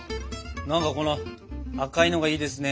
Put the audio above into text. なんかこの赤いのがいいですね。